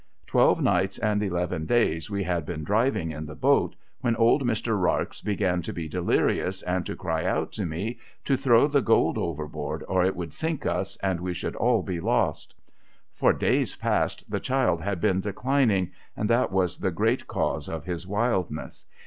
Twelve nights and eleven days we had been driving in the boat, when old Mr. Rarx began to be delirious, and to cry out to me to throw the gold overboard or it would sink us, and we should all be lost. For days past the child had been declining, and that was the great cause of his wildness.